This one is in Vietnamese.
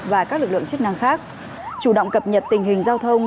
và các lực lượng chức năng khác chủ động cập nhật tình hình giao thông